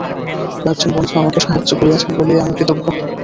কয়েকজন বন্ধু আমাকে সাহায্য করিয়াছেন বলিয়া আমি কৃতজ্ঞ।